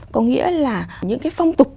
có nghĩa là những phong tục